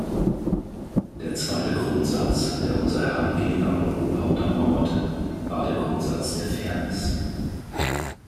Der zweite Grundsatz, der unser Herangehen an Europa untermauerte, war der Grundsatz der Fairness.